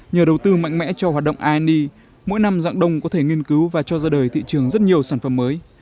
nhờ đầu tư mạnh mẽ cho hoạt động ind mỗi năm dạng đông có thể nghiên cứu và cho ra đời thị trường rất nhiều sản phẩm mới